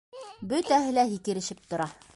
- Бөтәһе лә һикерешеп тора.